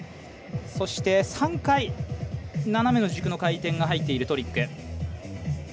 そして、３回斜めの軸の回転が入っているトリック。